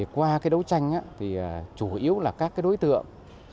qua đấu tranh chủ yếu là các đối tượng